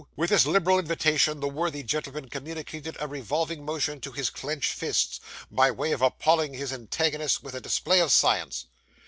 With this liberal invitation the worthy gentleman communicated a revolving motion to his clenched fists, by way of appalling his antagonists with a display of science.